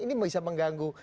ini bisa mengganggu